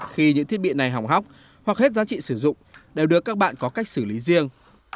khi những thiết bị này hỏng hóc hoặc hết giá trị sử dụng đều được các bạn có cách xử lý riêng